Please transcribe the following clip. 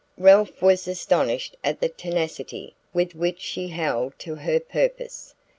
Ralph was astonished at the tenacity with which she held to her purpose.